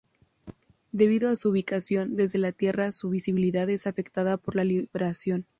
Debido a su ubicación, desde la Tierra su visibilidad es afectada por la libración.